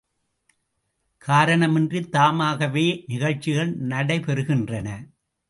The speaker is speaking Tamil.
காரணமின்றித் தாமாகவே நிகழ்ச்சிகள் நடைபெறுகின்றன.